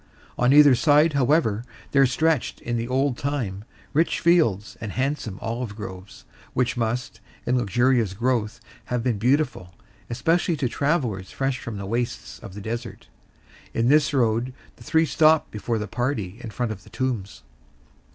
On either side, however, there stretched, in the old time, rich fields and handsome olive groves, which must, in luxurious growth, have been beautiful, especially to travellers fresh from the wastes of the desert. In this road, the three stopped before the party in front of the Tombs.